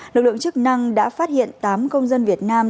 lực lượng chức năng đã phát hiện tám công dân việt nam